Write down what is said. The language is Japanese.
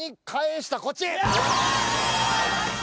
やった！